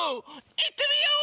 いってみよう！